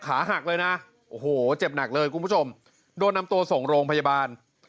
ขาหักเลยนะโอ้โหเจ็บหนักเลยคุณผู้ชมโดนนำตัวส่งโรงพยาบาล